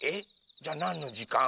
じゃあなんのじかん？